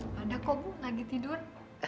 mana kamu lagi tidur